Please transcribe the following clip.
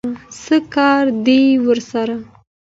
څه کار دی ورسره؟